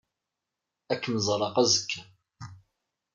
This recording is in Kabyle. Ad kem-ẓreɣ azekka.